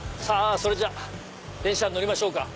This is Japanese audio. それじゃ電車に乗りましょうか。